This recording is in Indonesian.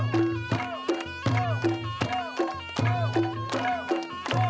berkala berkala karma